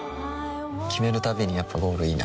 決めるたびにやっぱゴールいいなってふん